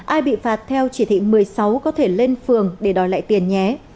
ai bị phạt theo chỉ thị một mươi sáu có thể lên phường để đòi lại tiền nhé